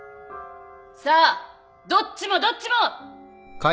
さあどっちもどっちも！